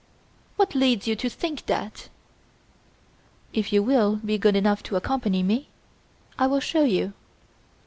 "What leads you to think that?" "If you will be good enough to accompany me, I will show you."